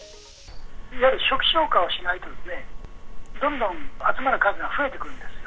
いわゆる初期消火をしないとですね、どんどん集まる数が増えてくるんですよ。